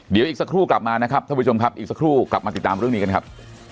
เดี๋ยวอีกสักครู่กลับมานะครับท่านผู้ชมครับอีกสักครู่กลับมาติดตามเรื่องนี้กันครับ